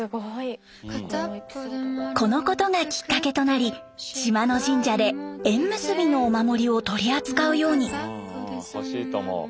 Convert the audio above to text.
このことがきっかけとなり島の神社で縁結びのお守りを取り扱うように。